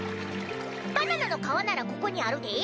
バナナの皮ならここにあるで！